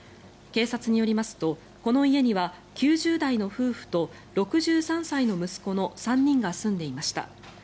警察によりますとこの家には９０代の夫婦と６３歳の息子の３人が住んでいました。